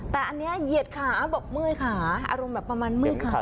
แต่อันนี้เหยียดขาบอกเมื่อยขาอารมณ์แบบประมาณเมื่อยขา